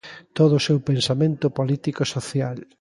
Todo o seu pensamento político e social.